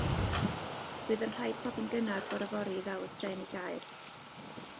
Bydd yn rhaid codi'n gynnar bore fory i ddal y trên i Gaer.